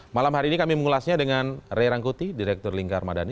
malam hari ini kami mengulasnya dengan ray rangkuti direktur lingkar madani